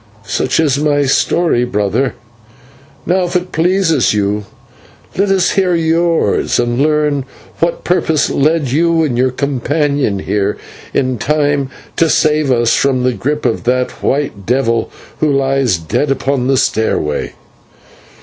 Such is my story, brother; now, if it pleases you, let us hear yours, and learn what purpose led you and your companion here in time to save us from the group of that white devil who lies dead upon the stairway."